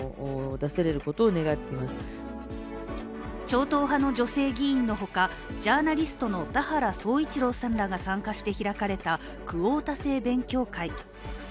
超党派の女性議員のほか、ジャーナリストの田原総一朗さんらが参加して開かれたクオータ制勉強会。